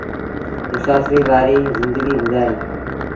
مسآڦريٚ وآريٚ زندگيٚ گزآريٚ۔